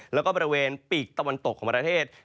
แล้วก็บริเวณปีกตะวันตกของประเทศ